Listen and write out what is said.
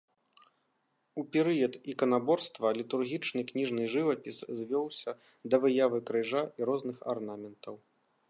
У перыяд іканаборства літургічны кніжны жывапіс звёўся да выявы крыжа і розных арнаментаў.